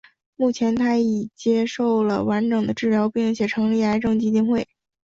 目前她已接受了完整的治疗并且成立癌症基金会。